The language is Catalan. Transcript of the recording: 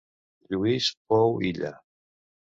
Lluís Pou Illa.